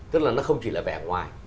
tức là nó không chỉ là vẻ ngoài